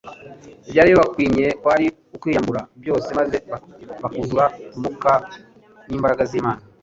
Ibyari bibakwinye kwari ukwiyambura byose maze bakuzura Umwuka n'imbaraga y'Imana.